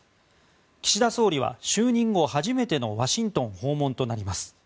岸田総理は就任後初めてのワシントン訪問となります。